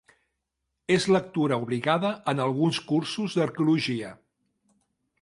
Es lectura obligada en alguns cursos d'arqueologia.